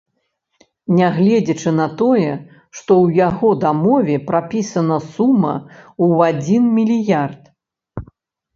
Нягледзячы на тое, што ў яго дамове прапісана сума ў адзін мільярд.